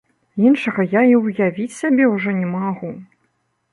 Іншага я і ўявіць сябе ўжо не магу!